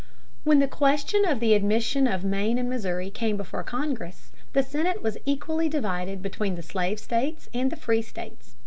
When the question of the admission of Maine and Missouri came before Congress, the Senate was equally divided between the slave states and the free states.